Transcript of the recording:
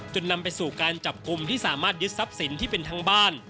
นำไปสู่การจับกลุ่มที่สามารถยึดทรัพย์สินที่เป็นทั้งบ้าน